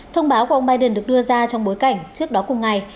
thông báo của ông biden được đưa ra trong bối cảnh trước đó cùng ngày